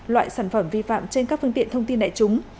loại sản phẩm vi phạm trên các phương tiện thông tin đại chúng